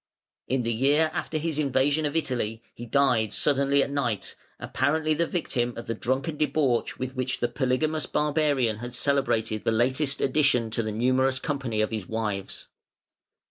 In the year after his invasion of Italy he died suddenly at night, apparently the victim of the drunken debauch with which the polygamous barbarian had celebrated the latest addition to the numerous company of his wives.